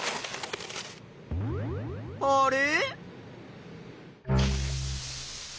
あれ？